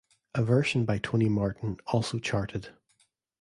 A version by Tony Martin also charted.